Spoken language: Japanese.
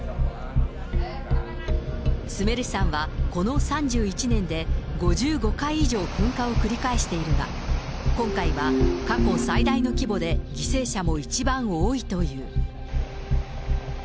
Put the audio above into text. スメル山はこの３１年で５５回以上噴火を繰り返しているが、今回は過去最大の規模で、犠牲者も一番多いという。